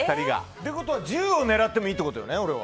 ということは１０を狙ってもいいってことね、俺は。